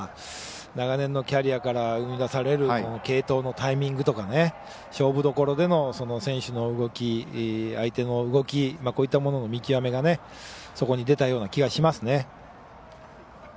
長年のキャリアから生み出される継投のタイミングとか勝負どころでの選手の動き相手の動き、こういったものの見極めがそこに出たような気がしますね。